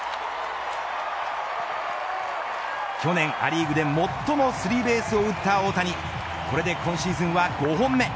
去年ア・リーグで最もスリーベースを打った大谷これで今シーズンは５本目。